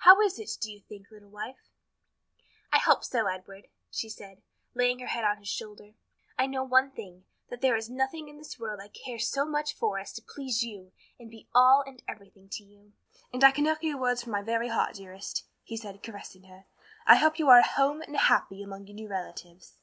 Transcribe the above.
How is it, do you think, little wife?" "I hope so, Edward," she said, laying her head on his shoulder, "I know one thing that there is nothing in this world I care so much for as to please you and be all and everything to you." "And I can echo your words from my very heart, dearest," he said, caressing her. "I hope you are at home and happy among your new relatives."